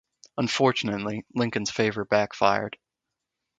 Unfortunately, Lincoln's favor backfired.